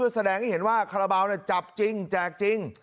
แสดงให้เห็นว่าคาราบาลจับจริงแจกจริง